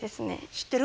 知ってる？